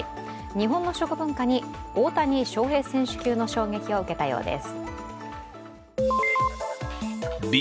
日本の食文化に大谷翔平選手級の衝撃を受けたそうです。